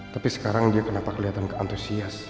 tapi sekarang dia kenapa kelihatan antusias